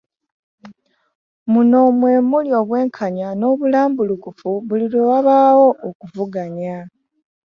Muno mwe muli obwenkanya n'obulambulukufu buli lwe wabaawo okuvuganya.